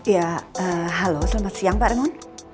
ya halo selamat siang pak remon